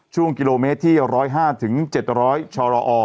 ช่วงกิโลเมตรที่๑๐๕๗๐๐ชรอ